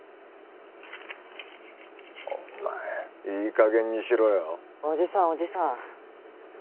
お前いい加減にしろよおじさんおじさん